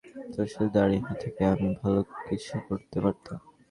তোর সাথে দাড়িঁয়ে না থেকে আমি ভালো কিছু করতে পারতাম।